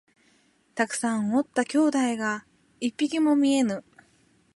たくさんおった兄弟が一匹も見えぬ